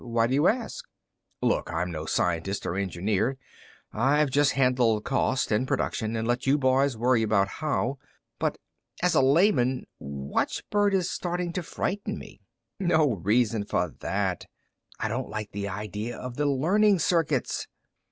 Why do you ask?" "Look, I'm no scientist or engineer. I've just handled cost and production and let you boys worry about how. But as a layman, watchbird is starting to frighten me." "No reason for that." "I don't like the idea of the learning circuits."